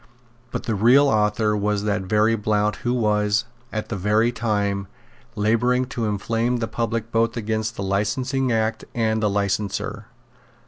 But the real author was that very Blount who was, at that very time, labouring to inflame the public both against the Licensing Act and the licenser.